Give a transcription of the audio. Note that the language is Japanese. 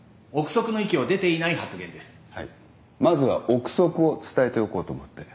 まずは憶測を伝えておこうと思って。